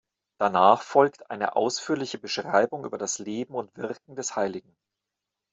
Danach folgt eine ausführliche Beschreibung über das Leben und Wirken des Heiligen.